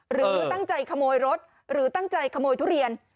หรือตั้งใจขโมยรถหรือตั้งใจขโมยทุเรียน